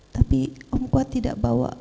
tapi om kuat tidak bawa